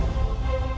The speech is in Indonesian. aku akan menang